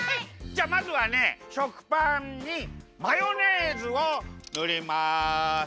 じゃあまずはね食パンにマヨネーズをぬります。